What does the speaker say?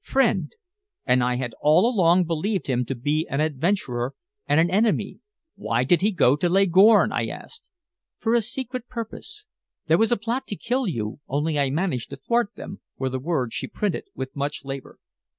Friend! And I had all along believed him to be an adventurer and an enemy! "Why did he go to Leghorn?" I asked. "For a secret purpose. There was a plot to kill you, only I managed to thwart them," were the words she printed with much labor.